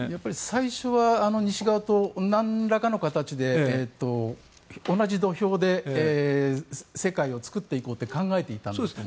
最初は西側となんらかの形で同じ土俵で世界を作っていこうと考えていたんだと。